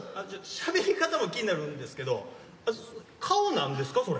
ちょっとしゃべり方も気になるんですけど顔なんですか？